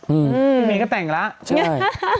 วันนี้ก็แต่งแล้ว